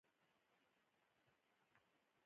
یوه دوکان ته ودرېدو.